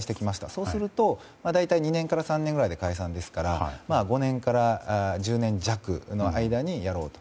そうすると大体２年から３年ぐらいで解散ですから５年から１０年弱の間にやろうと。